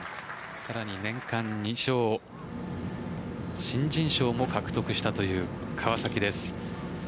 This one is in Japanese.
さらに年間２勝新人賞も獲得したという川崎です。